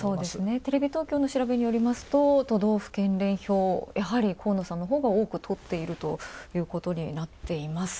テレビ東京の調べによりますと都道府県連票、やはり河野さんのほうが多く取っているということになっています。